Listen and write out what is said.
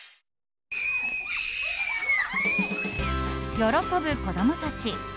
喜ぶ子供たち。